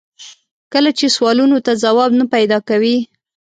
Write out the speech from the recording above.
کله چې سوالونو ته ځواب نه پیدا کوي.